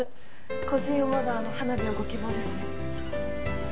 個人オーダーの花火をご希望ですね。